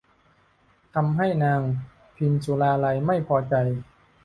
ทำให้นางพิมสุราลัยไม่พอใจ